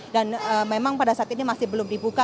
dan memang pada saat ini masih belum dibuka